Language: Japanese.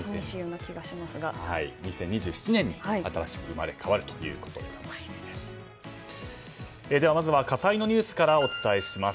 ２０２７年に新しく生まれ変わるということで楽しみです。